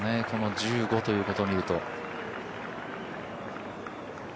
この１５ということでいうと。